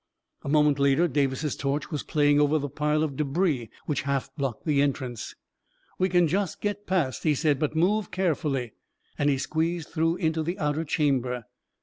" A moment later, Davis's torch was playing over the pile of debris which half blocked the entrance. " We can just get past," he said; " but move care fully," and he squeezed through into the outer cham ber.